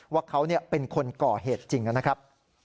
ว่าเขาเป็นคนก่อเหตุจริงนะครับ